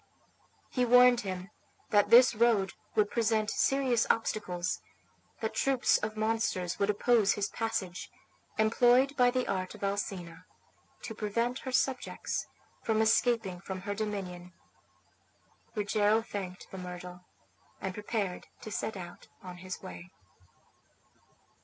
He warned him that this road would present serious obstacles; that troops of monsters would oppose his passage, employed by the art of Alcina to prevent her subjects from escaping from her dominion. Rogero thanked the myrtle, and prepared to set out on his way.